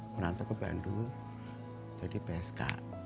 seribu sembilan ratus delapan puluh dua menantuk ke bandung jadi psk